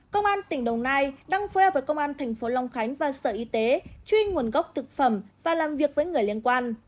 công an tỉnh đồng nai đang phối hợp với công an thành phố long khánh và sở y tế truy nguồn gốc thực phẩm và làm việc với người liên quan